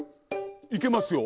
いけますよ。